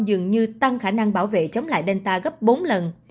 dường như tăng khả năng bảo vệ chống lại delta gấp bốn lần